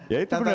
ya itu benar